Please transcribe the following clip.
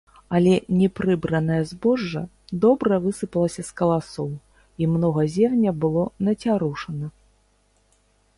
Але непрыбранае збожжа добра высыпалася з каласоў і многа зерня было нацярушана.